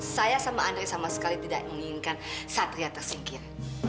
saya sama andre sama sekali tidak menginginkan satria tersingkir